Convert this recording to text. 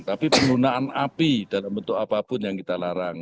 tapi penggunaan api dalam bentuk apapun yang kita larang